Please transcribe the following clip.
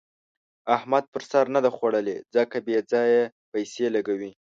احمد پر سر نه ده خوړلې؛ ځکه بې ځايه پيسې لګوي.